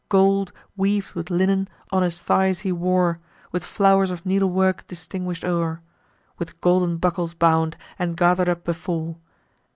Gold, weav'd with linen, on his thighs he wore, With flowers of needlework distinguish'd o'er, With golden buckles bound, and gather'd up before.